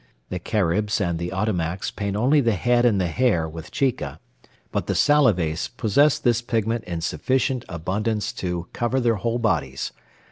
The Caribs and the Ottomacs paint only the head and the hair with chica, but the Salives possess this pigment in sufficient abundance to cover their whole bodies.